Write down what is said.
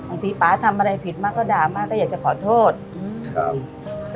ป๊าทำอะไรผิดมาก็ด่ามากก็อยากจะขอโทษอืมครับ